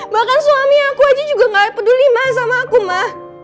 makan suaminya aku aja juga gak peduli ma sama aku ma